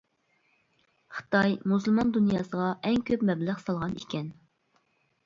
خىتاي مۇسۇلمان دۇنياسىغا ئەڭ كۆپ مەبلەغ سالغان ئىكەن.